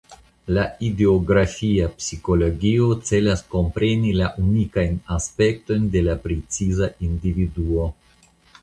La idiografia psikologio celas kompreni la unikajn aspektojn de preciza individuo.